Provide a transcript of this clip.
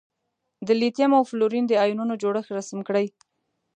د لیتیم او فلورین د ایونونو جوړښت رسم کړئ.